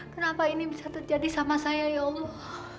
kenapa ini bisa terjadi sama saya ya allah